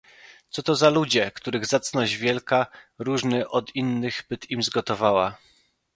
"Co to za ludzie, których zacność wielka Różny od innych byt im zgotowała?"